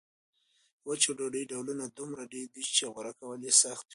د وچې ډوډۍ ډولونه دومره ډېر دي چې غوره کول یې سخت وي.